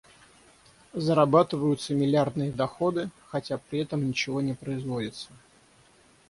Зарабатываются миллиардные доходы, хотя при этом ничего не производится.